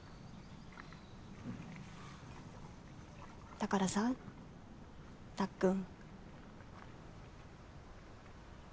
だからさたっくん。